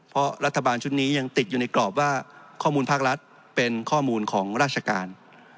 เพราะรัฐบาลชุดนี้ยังติดอยู่ในกรอบว่าข้อมูลภาครัฐเป็นข้อมูลของราชการ